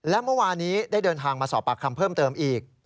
และเมื่อวานี้ได้เดินทางมาสอบปากคำเพิ่มเติมอีก